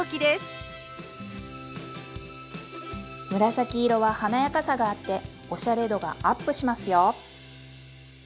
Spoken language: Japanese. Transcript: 紫色は華やかさがあっておしゃれ度がアップしますよ。